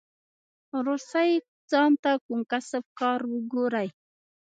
ورسئ ځان ته کوم کسب کار وگورئ.